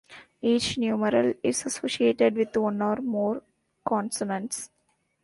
Each numeral is associated with one or more consonants.